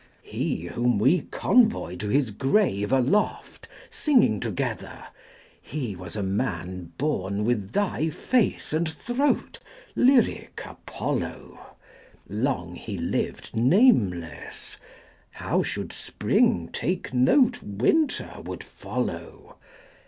30 He, whom we convoy to his grave aloft, Singing together, He was a man born with thy face and throat, Lyric Apollo! Long he lived nameless; how should Spring take note 35 Winter would follow?